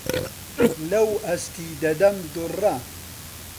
لەو ئەستی دەدەم دوڕە